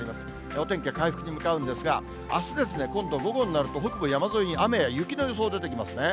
お天気は回復に向かうんですが、あすですね、今度、午後になると、北部山沿いに雨や雪の予想出てきますね。